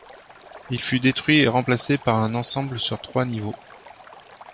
Il fut détruit et remplacé par un ensemble sur trois niveaux.